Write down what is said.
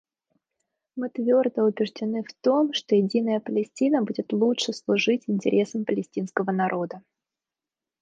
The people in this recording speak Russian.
Мы твердо убеждены в том, что единая Палестина будет лучше служить интересам палестинского народа.